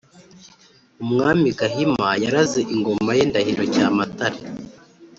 umwami gahima yaraze ingoma ye ndahiro cyamatare.